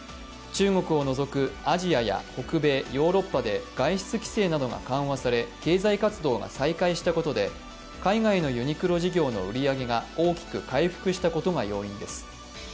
中国を除くアジアや北米、ヨーロッパで外出規制などが緩和され経済活動が再開したことで海外のユニクロ事業の売り上げが大きく回復したことが要因です。